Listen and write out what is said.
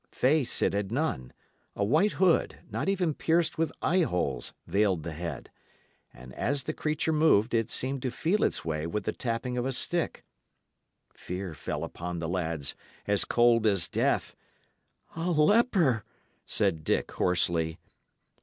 Face, it had none; a white hood, not even pierced with eye holes, veiled the head; and as the creature moved, it seemed to feel its way with the tapping of a stick. Fear fell upon the lads, as cold as death. "A leper!" said Dick, hoarsely.